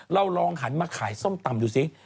เราลองหันมาขายส้มตำดูซิ